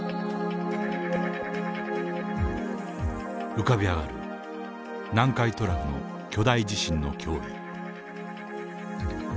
浮かび上がる南海トラフの巨大地震の脅威。